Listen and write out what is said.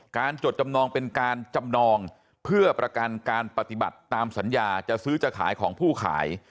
จดจำนองเป็นการจำนองเพื่อประกันการปฏิบัติตามสัญญาจะซื้อจะขายของผู้ขาย